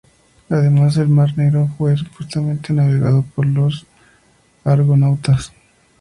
Además, el mar Negro fue, supuestamente, navegado por los argonautas.